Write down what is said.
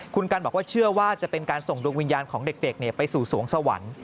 คุณกันบอกว่าเชื่อว่าจะเป็นการส่งดวงวิญญาณของเด็กไปสู่สวงสวรรค์